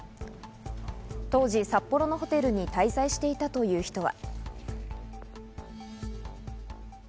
当時、札幌のホテルに滞在していたという人は。